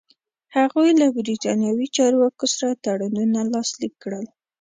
هغوی له برېټانوي چارواکو سره تړونونه لاسلیک کړل.